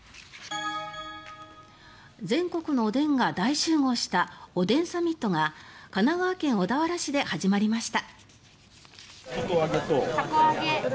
全国のおでんが大集合したおでんサミットが神奈川県小田原市で始まりました。